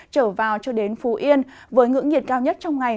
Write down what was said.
trở vào cho đến phú yên với ngưỡng nhiệt cao nhất trong ngày